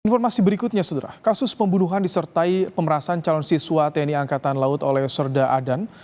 informasi berikutnya sederah kasus pembunuhan disertai pemerasan calon siswa tni angkatan laut oleh serda adan